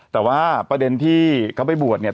แต่ว่าประเด็นที่เขาไปบวชเนี่ย